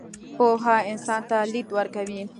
پوهه انسان ته لید ورکوي.